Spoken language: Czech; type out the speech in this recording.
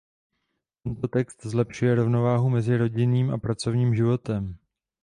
Tento text zlepšuje rovnováhu mezi rodinným a pracovním životem.